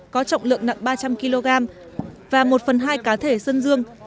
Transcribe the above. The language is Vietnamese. có trọng lượng nặng ba trăm linh kg và một phần hai cá thể sơn dương